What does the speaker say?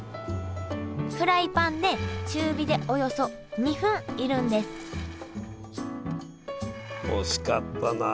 フライパンで中火でおよそ２分煎るんです惜しかったな。